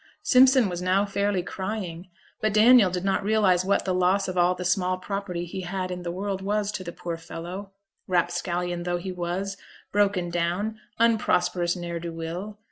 Simpson was now fairly crying. But Daniel did not realize what the loss of all the small property he had in the world was to the poor fellow (rapscallion though he was, broken down, unprosperous ne'er do weel!)